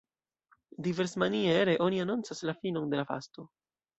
Diversmaniere oni anoncas la finon de la fasto.